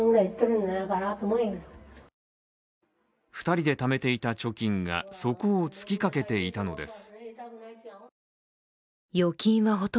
２人でためていた貯金が底をつきかけていたのです。